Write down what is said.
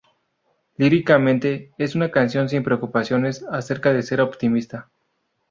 Líricamente, es una canción sin preocupaciones acerca de ser optimista.